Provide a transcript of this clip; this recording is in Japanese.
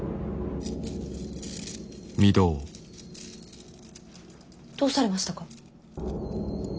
どうされましたか。